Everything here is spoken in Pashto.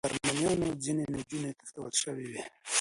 د ارمنیانو ځینې نجونې تښتول شوې وې.